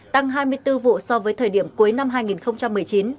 tăng hai mươi bốn vụ so với thời điểm cuối năm hai nghìn một mươi chín